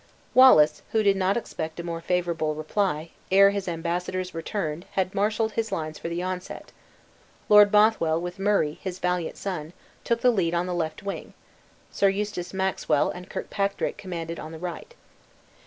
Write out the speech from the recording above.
Wallace, who did not expect a more favorable reply, ere his embassadors returned had marshaled his lines for the onset. Lord Bothwell, with Murray, his valiant son, took the lead on the left wing; Sir Eustace Maxwell and Kirkpatrick commanded on the right.